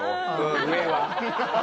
上は。